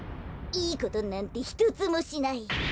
いいことなんてひとつもしない。